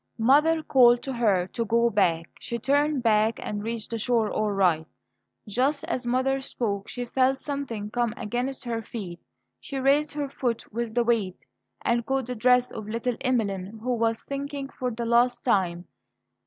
Mother called to her to go back. She turned back, and reached the shore all right. Just as mother spoke, she felt something come against her feet. She raised her foot with the weight, and caught the dress of little Emeline, who was sinking for the last time.